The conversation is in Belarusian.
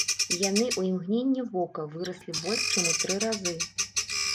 І яны ў імгненне вока выраслі больш чым у тры разы.